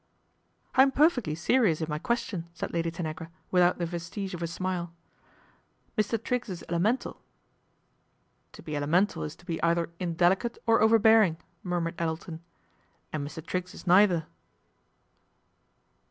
" I am perfectly serious in my question," sail Lady Tanagra, without the vestige of a smile " Mr. Triggs is elemental." "To be elemental is to be either indelicate o overbearing," murmured Elton, " and Mr. Trigg is neither."